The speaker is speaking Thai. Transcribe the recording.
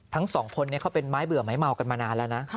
ทั้งสองคนนี้เขาเป็นไม้เบื่อไม้เมากันมานานแล้วนะ